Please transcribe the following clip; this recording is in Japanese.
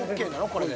これで。